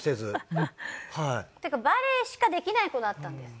っていうかバレエしかできない子だったんです。